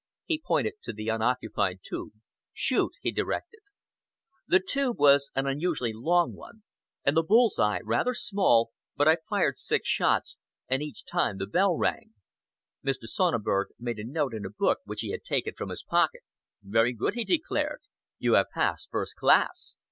He pointed to the unoccupied tube. "Shoot!" he directed. The tube was an unusually long one, and the bull's eye rather small, but I fired six shots, and each time the bell rang. Mr. Sonneberg made a note in a book which he had taken from his pocket. "Very good," he declared, "You have passed first class.